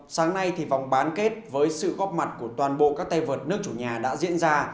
sáng nay vòng bán kết với sự góp mặt của toàn bộ các tay vợt nước chủ nhà đã diễn ra